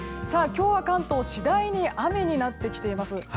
今日は関東次第に雨になってきています。